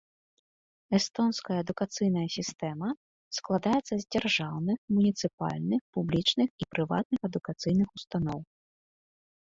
Эстонская адукацыйная сістэма складаецца з дзяржаўных, муніцыпальных, публічных і прыватных адукацыйных устаноў.